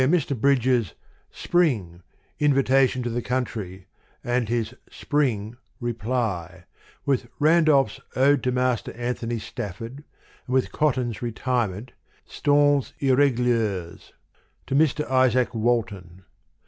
compare Mr. Bridges' Spring: Invitation to the Country^ and his Spring: Reply, with Randolph's Ode to Master Anthony Stafford, and with Cotton's Retirement, Stanzes Ir reguliers : to Mr. Izaak Walton.